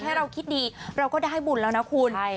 ให้เราคิดดีเราก็ได้บุญแล้วนะคุณ